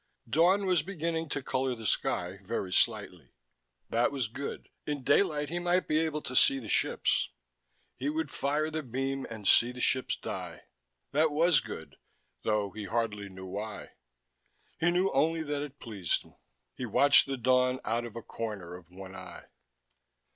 Dawn was beginning to color the sky, very slightly. That was good: in daylight he might be able to see the ships. He would fire the beam and see the ships die. That was good, though he hardly knew why: he knew only that it pleased him. He watched the dawn out of a corner of one eye.